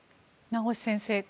名越先生